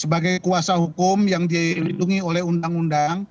sebagai kuasa hukum yang dilindungi oleh undang undang